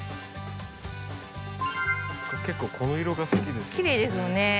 結構この色が好きですね。